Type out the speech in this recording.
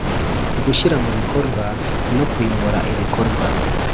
Gushyira mu bikorwa no kuyobora ibikorwa